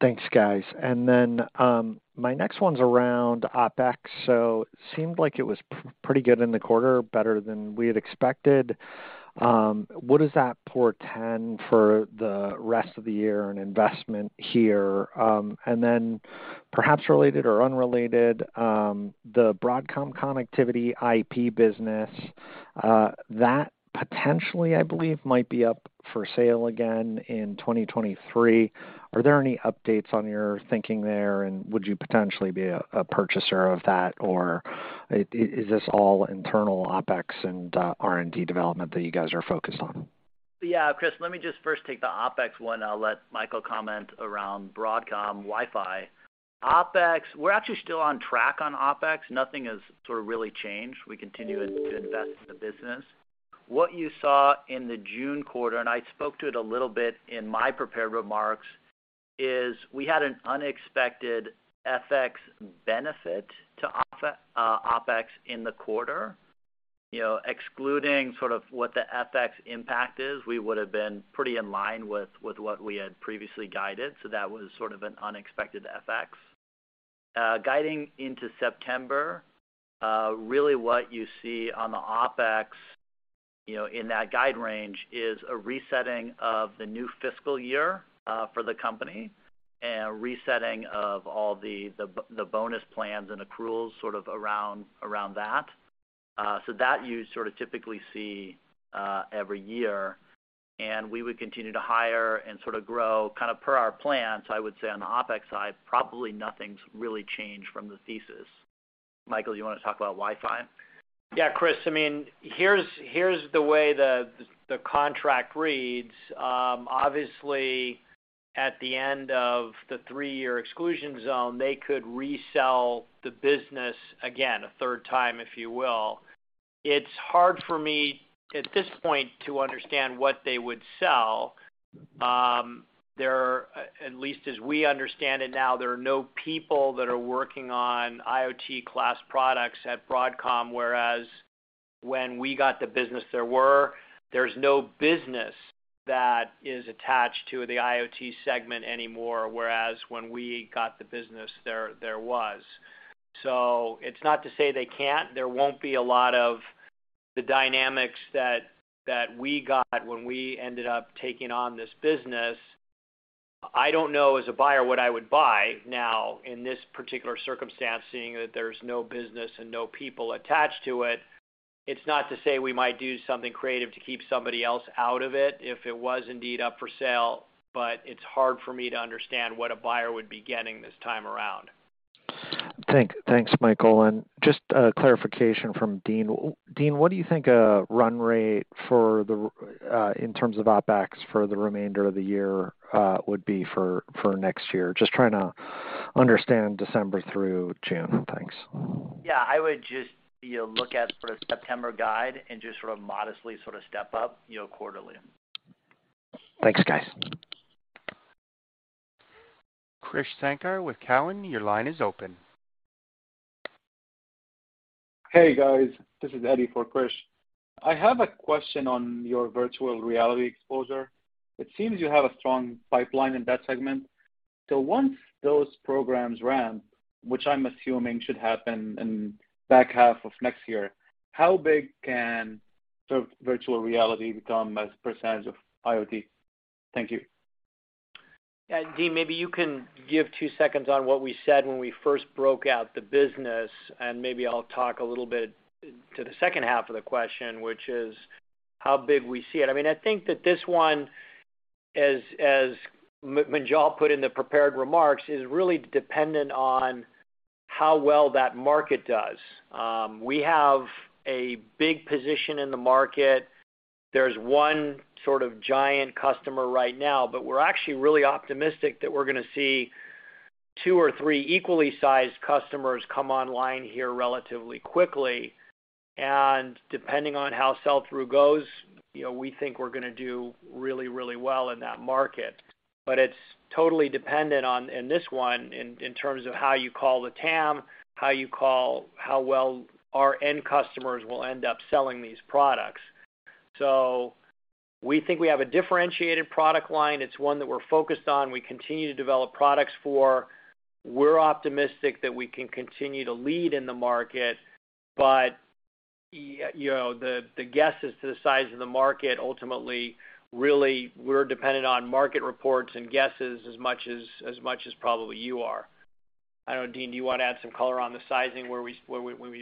[SPEAKER 7] Thanks, guys. My next one's around OpEx. Seemed like it was pretty good in the quarter, better than we had expected. What does that portend for the rest of the year in investment here? Perhaps related or unrelated, the Broadcom Connectivity IP business that potentially I believe might be up for sale again in 2023. Are there any updates on your thinking there, and would you potentially be a purchaser of that, or is this all internal OpEx and R&D development that you guys are focused on?
[SPEAKER 4] Yeah. Chris, let me just first take the OpEx one. I'll let Michael comment around Broadcom Wi-Fi. OpEx, we're actually still on track on OpEx. Nothing has sort of really changed. We continue to invest in the business. What you saw in the June quarter, and I spoke to it a little bit in my prepared remarks, is we had an unexpected FX benefit to OpEx in the quarter. You know, excluding sort of what the FX impact is, we would've been pretty in line with what we had previously guided, so that was sort of an unexpected FX. Guiding into September, really what you see on the OpEx, you know, in that guide range is a resetting of the new fiscal year for the company and resetting of all the bonus plans and accruals sort of around that. that you sort of typically see, every year. We would continue to hire and sort of grow kind of per our plans, I would say on the OpEx side, probably nothing's really changed from the thesis. Michael, you wanna talk about Wi-Fi?
[SPEAKER 3] Yeah, Chris Rolland. I mean, here's the way the contract reads. Obviously, at the end of the three-year exclusion zone, they could resell the business again a third time, if you will. It's hard for me at this point to understand what they would sell. At least as we understand it now, there are no people that are working on IoT class products at Broadcom, whereas when we got the business, there were. There's no business that is attached to the IoT segment anymore, whereas when we got the business there was. It's not to say they can't. There won't be a lot of the dynamics that we got when we ended up taking on this business. I don't know, as a buyer, what I would buy now in this particular circumstance, seeing that there's no business and no people attached to it. It's not to say we might do something creative to keep somebody else out of it if it was indeed up for sale, but it's hard for me to understand what a buyer would be getting this time around.
[SPEAKER 7] Thanks, Michael, and just a clarification from Dean. Dean, what do you think a run rate for the, in terms of OpEx for the remainder of the year, would be for next year? Just trying to understand December through June. Thanks.
[SPEAKER 4] Yeah. I would just, you know, look at sort of September guide and just sort of step up, you know, quarterly.
[SPEAKER 7] Thanks, guys.
[SPEAKER 1] Krish Sankar with Cowen, your line is open.
[SPEAKER 8] Hey, guys. This is Eddie for Krish. I have a question on your virtual reality exposure. It seems you have a strong pipeline in that segment. Once those programs ramp, which I'm assuming should happen in back half of next year, how big can sort of virtual reality become as percentage of IoT? Thank you.
[SPEAKER 3] Yeah. Dean, maybe you can give two seconds on what we said when we first broke out the business, and maybe I'll talk a little bit to the second half of the question, which is how big we see it. I mean, I think that this one, as Munjal put in the prepared remarks, is really dependent on how well that market does. We have a big position in the market. There's one sort of giant customer right now, but we're actually really optimistic that we're gonna see two or three equally sized customers come online here relatively quickly. Depending on how sell-through goes, you know, we think we're gonna do really, really well in that market. It's totally dependent on in this one in terms of how you call the TAM how well our end customers will end up selling these products. We think we have a differentiated product line. It's one that we're focused on, we continue to develop products for. We're optimistic that we can continue to lead in the market. You know, the guesses to the size of the market, ultimately, really we're dependent on market reports and guesses as much as probably you are. I don't know, Dean, do you wanna add some color on the sizing where we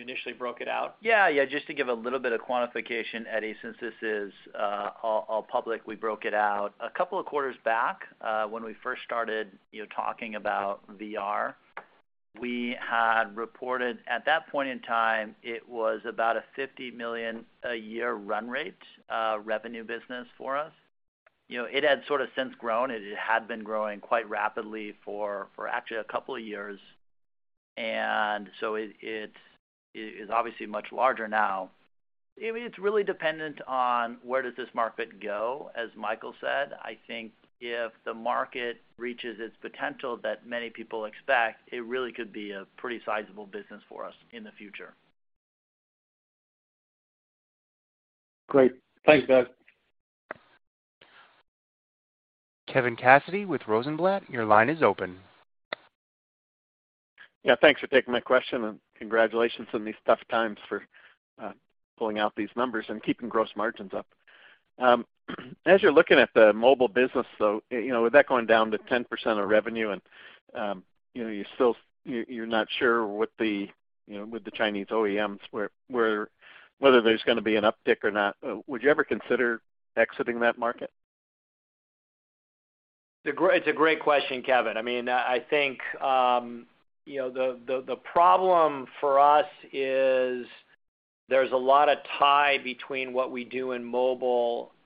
[SPEAKER 3] initially broke it out?
[SPEAKER 4] Yeah. Just to give a little bit of quantification, Eddie, since this is all public, we broke it out. A couple of quarters back, when we first started, you know, talking about VR, we had reported at that point in time, it was about a $50 million a year run rate revenue business for us. You know, it had sort of since grown, and it had been growing quite rapidly for actually a couple of years. It is obviously much larger now. I mean, it's really dependent on where does this market go, as Michael said. I think if the market reaches its potential that many people expect, it really could be a pretty sizable business for us in the future.
[SPEAKER 8] Great. Thanks to both.
[SPEAKER 1] Kevin Cassidy with Rosenblatt, your line is open.
[SPEAKER 9] Yeah. Thanks for taking my question, and congratulations in these tough times for pulling out these numbers and keeping gross margins up. As you're looking at the mobile business, you know, with that going down to 10% of revenue and, you know, you're not sure what the, you know, with the Chinese OEMs where whether there's gonna be an uptick or not, would you ever consider exiting that market?
[SPEAKER 3] It's a great question, Kevin. I mean, I think, you know, the problem for us is there's a lot of tie between what we do in mobile and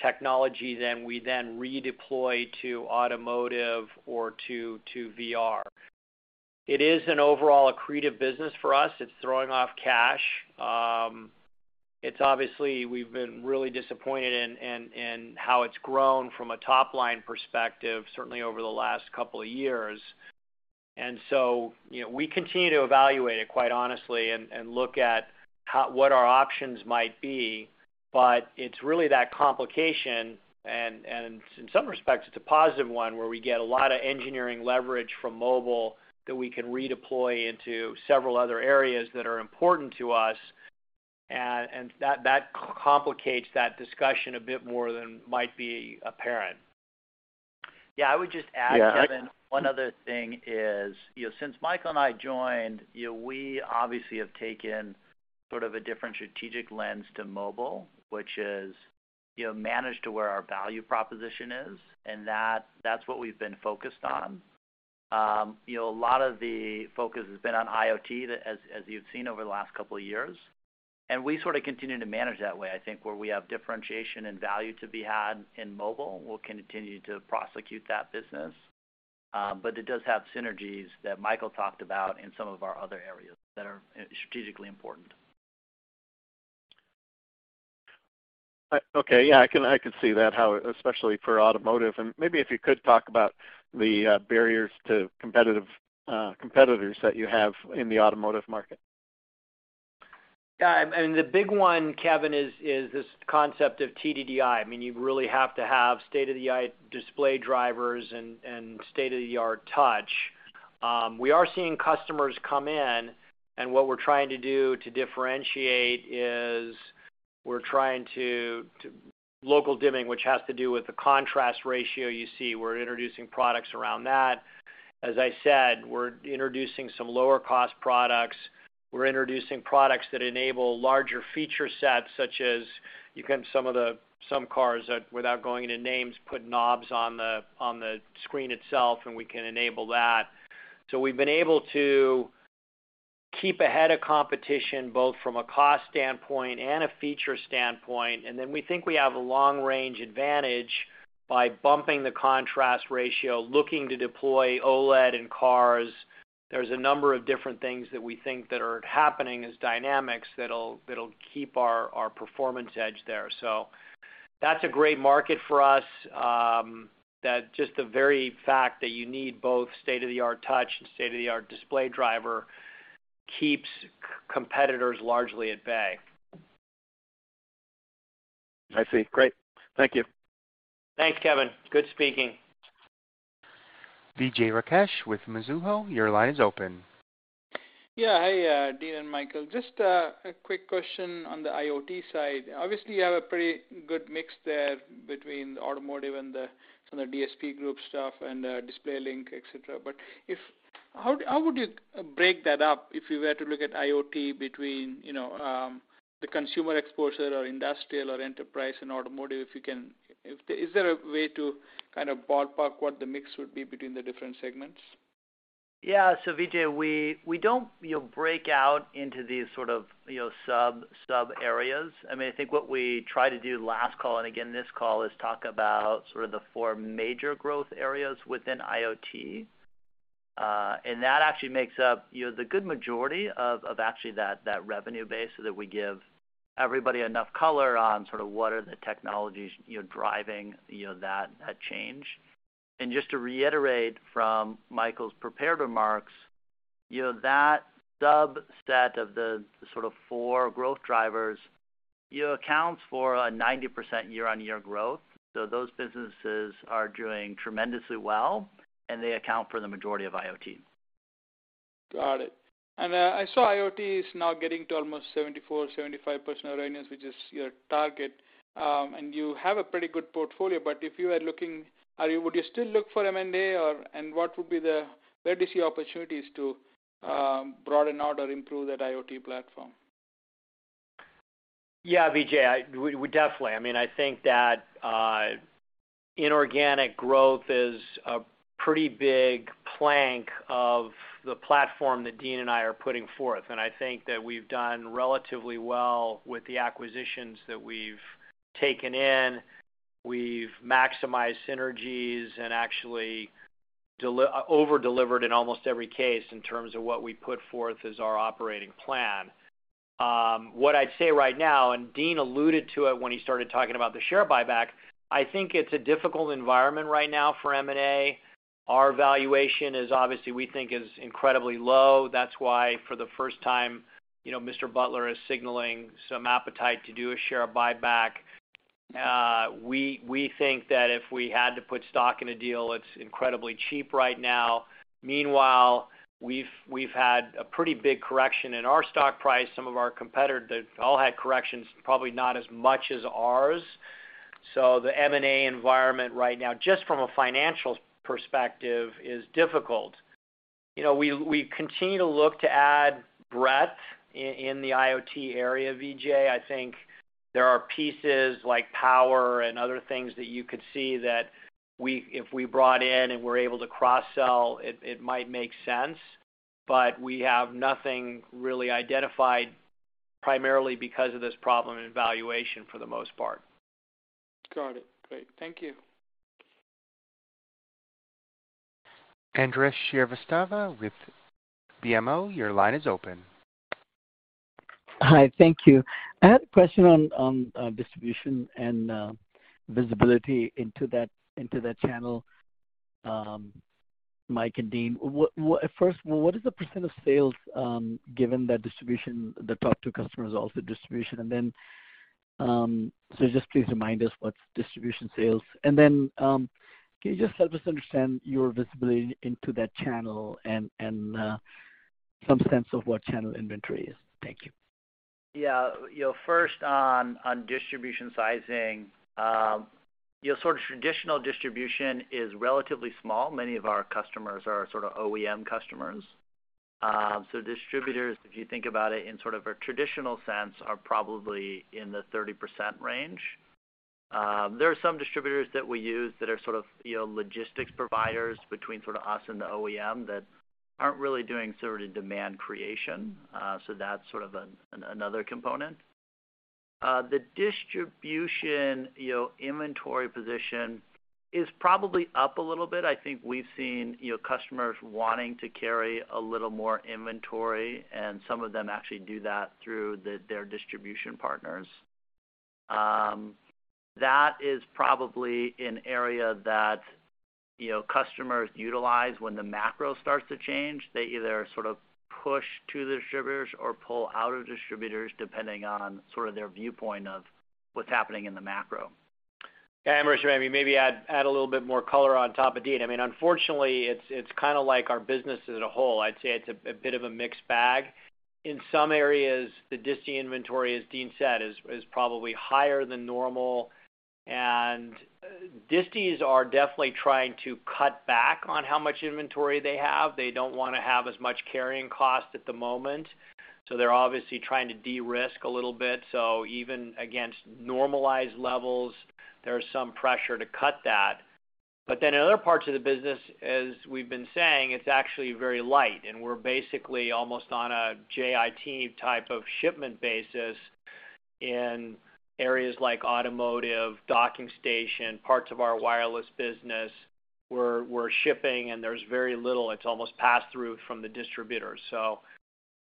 [SPEAKER 3] technologies, and we then redeploy to automotive or to VR. It is an overall accretive business for us. It's throwing off cash. It's obviously we've been really disappointed in how it's grown from a top-line perspective, certainly over the last couple of years. You know, we continue to evaluate it, quite honestly, and look at what our options might be. It's really that complication, and in some respects, it's a positive one where we get a lot of engineering leverage from mobile that we can redeploy into several other areas that are important to us.
[SPEAKER 4] That complicates that discussion a bit more than might be apparent.
[SPEAKER 3] Yeah, I would just add, Kevin, one other thing is, you know, since Michael and I joined, you know, we obviously have taken sort of a different strategic lens to mobile, which is, you know, managed to where our value proposition is, and that's what we've been focused on. You know, a lot of the focus has been on IoT, as you've seen over the last couple of years. We sort of continue to manage that way. I think where we have differentiation and value to be had in mobile, we'll continue to prosecute that business. It does have synergies that Michael talked about in some of our other areas that are strategically important.
[SPEAKER 9] Okay. Yeah, I can see that, how especially for automotive, and maybe if you could talk about the barriers to competition, competitors that you have in the automotive market.
[SPEAKER 3] Yeah, the big one, Kevin, is this concept of TDDI. I mean, you really have to have state-of-the-art display drivers and state-of-the-art touch. We are seeing customers come in, and what we're trying to do to differentiate is we're trying to local dimming, which has to do with the contrast ratio you see. We're introducing products around that. As I said, we're introducing some lower cost products. We're introducing products that enable larger feature sets, such as some cars that without going into names, put knobs on the screen itself, and we can enable that. We've been able to keep ahead of competition, both from a cost standpoint and a feature standpoint. We think we have a long-range advantage by bumping the contrast ratio, looking to deploy OLED in cars. There's a number of different things that we think that are happening as dynamics that'll keep our performance edge there. That's a great market for us, that just the very fact that you need both state-of-the-art touch and state-of-the-art display driver keeps competitors largely at bay.
[SPEAKER 9] I see. Great. Thank you.
[SPEAKER 3] Thanks, Kevin. Good speaking.
[SPEAKER 1] Vijay Rakesh with Mizuho. Your line is open.
[SPEAKER 10] Yeah. Hey, Dean and Michael. Just a quick question on the IoT side. Obviously, you have a pretty good mix there between the automotive and the sort of DSP Group stuff and DisplayLink, et cetera. How would you break that up if you were to look at IoT between, you know, the consumer exposure or industrial or enterprise and automotive, if you can? Is there a way to kind of ballpark what the mix would be between the different segments?
[SPEAKER 3] Yeah. Vijay, we don't, you know, break out into these sort of, you know, sub-sub areas. I mean, I think what we tried to do last call and again this call is talk about sort of the four major growth areas within IoT. That actually makes up, you know, the good majority of actually that revenue base so that we give everybody enough color on sort of what are the technologies, you know, driving that change. Just to reiterate from Michael's prepared remarks, you know, that subset of the sort of four growth drivers, you know, accounts for a 90% year-on-year growth. Those businesses are doing tremendously well, and they account for the majority of IoT.
[SPEAKER 10] Got it. I saw IoT is now getting to almost 74%-75% awareness, which is your target. You have a pretty good portfolio. If you are looking, would you still look for M&A or where do you see opportunities to broaden out or improve that IoT platform?
[SPEAKER 3] Yeah, Vijay, we definitely. I mean, I think that inorganic growth is a pretty big plank of the platform that Dean and I are putting forth, and I think that we've done relatively well with the acquisitions that we've taken in. We've maximized synergies and actually over-delivered in almost every case in terms of what we put forth as our operating plan. What I'd say right now, and Dean alluded to it when he started talking about the share buyback, I think it's a difficult environment right now for M&A. Our valuation is obviously we think is incredibly low. That's why, for the first time, you know, Mr. Butler is signaling some appetite to do a share buyback. We think that if we had to put stock in a deal, it's incredibly cheap right now. Meanwhile, we've had a pretty big correction in our stock price. Some of our competitor, they've all had corrections, probably not as much as ours. The M&A environment right now, just from a financial perspective, is difficult. You know, we continue to look to add breadth in the IoT area, Vijay. I think there are pieces like power and other things that you could see that if we brought in and we're able to cross-sell, it might make sense, but we have nothing really identified primarily because of this problem in valuation for the most part.
[SPEAKER 10] Got it. Great. Thank you.
[SPEAKER 1] Ambrish Srivastava with BMO, your line is open.
[SPEAKER 11] Hi. Thank you. I had a question on distribution and visibility into that channel, Michael and Dean. First, what is the percent of sales given that distribution, the top two customers, also distribution? Just please remind us what's distribution sales. Can you just help us understand your visibility into that channel and some sense of what channel inventory is? Thank you.
[SPEAKER 4] Yeah. You know, first on distribution sizing, you know, sort of traditional distribution is relatively small. Many of our customers are sort of OEM customers. Distributors, if you think about it in sort of a traditional sense, are probably in the 30% range. There are some distributors that we use that are sort of, you know, logistics providers between sort of us and the OEM that aren't really doing sort of demand creation. That's sort of another component. The distribution, you know, inventory position is probably up a little bit. I think we've seen, you know, customers wanting to carry a little more inventory, and some of them actually do that through their distribution partners. That is probably an area that, you know, customers utilize when the macro starts to change. They either sort of push to distributors or pull out of distributors depending on sort of their viewpoint of what's happening in the macro.
[SPEAKER 3] Yeah, Ambrish, let me maybe add a little bit more color on top of Dean. I mean, unfortunately, it's kinda like our business as a whole. I'd say it's a bit of a mixed bag. In some areas, the disty inventory, as Dean said, is probably higher than normal. Distys are definitely trying to cut back on how much inventory they have. They don't wanna have as much carrying cost at the moment, so they're obviously trying to de-risk a little bit. Even against normalized levels, there's some pressure to cut that. In other parts of the business, as we've been saying, it's actually very light, and we're basically almost on a JIT type of shipment basis in areas like automotive, docking station, parts of our wireless business, we're shipping and there's very little. It's almost pass-through from the distributors.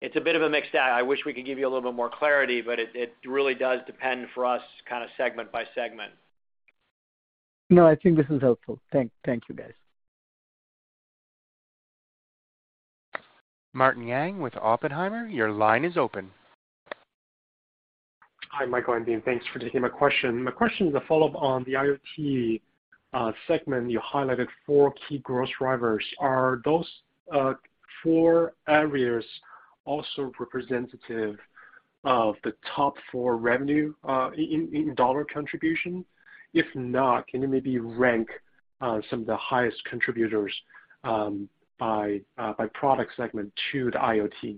[SPEAKER 3] It's a bit of a mixed bag. I wish we could give you a little bit more clarity, but it really does depend for us kinda segment by segment.
[SPEAKER 11] No, I think this is helpful. Thank you, guys.
[SPEAKER 1] Martin Yang with Oppenheimer, your line is open.
[SPEAKER 12] Hi, Michael and Dean. Thanks for taking my question. My question is a follow-up on the IoT segment. You highlighted four key growth drivers. Are those four areas also representative of the top four revenue in dollar contribution? If not, can you maybe rank some of the highest contributors by product segment to the IoT?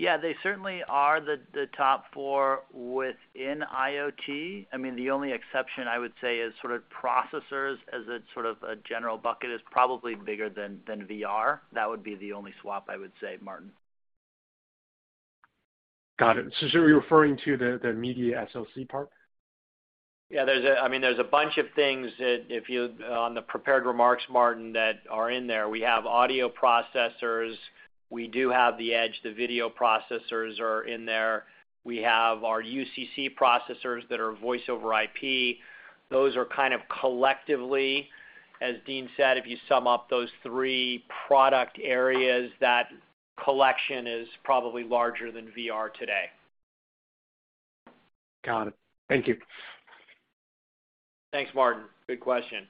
[SPEAKER 4] Yeah, they certainly are the top four within IoT. I mean, the only exception I would say is sort of processors as a sort of a general bucket is probably bigger than VR. That would be the only swap I would say, Martin.
[SPEAKER 12] Got it. You're referring to the media SoC part?
[SPEAKER 3] Yeah. There's a bunch of things that if you, on the prepared remarks, Martin, that are in there. We have audio processors. We do have the edge. The video processors are in there. We have our UCC processors that are Voice-over-IP. Those are kind of collectively, as Dean said, if you sum up those three product areas, that collection is probably larger than VR today.
[SPEAKER 12] Got it. Thank you.
[SPEAKER 4] Thanks, Martin. Good question.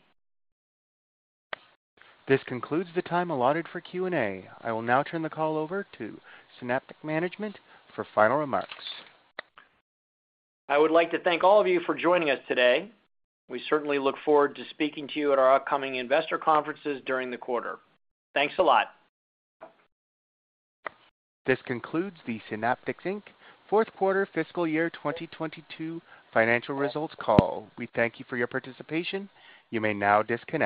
[SPEAKER 1] This concludes the time allotted for Q&A. I will now turn the call over to Synaptics management for final remarks.
[SPEAKER 4] I would like to thank all of you for joining us today. We certainly look forward to speaking to you at our upcoming investor conferences during the quarter. Thanks a lot.
[SPEAKER 1] This concludes the Synaptics Inc. fourth quarter fiscal year 2022 financial results call. We thank you for your participation. You may now disconnect.